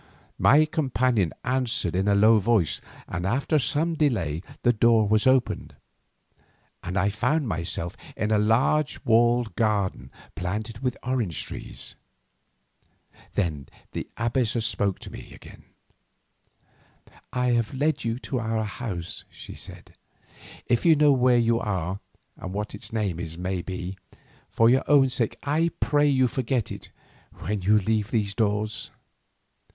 My companion answered in a low voice, and after some delay the door was opened, and I found myself in a large walled garden planted with orange trees. Then the abbess spoke to me. "I have led you to our house," she said. "If you know where you are, and what its name may be, for your own sake I pray you forget it when you leave these doors."